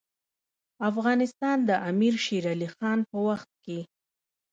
افغانستان د امیر شیرعلي خان په وخت کې.